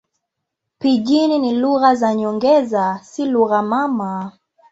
Pijini ni lugha za nyongeza, si lugha mama.